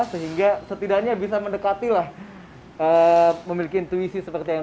sehingga setidaknya bisa mendekati lah memiliki intuisi seperti yang ini